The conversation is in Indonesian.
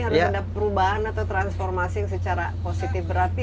harus ada perubahan atau transformasi yang secara positif berarti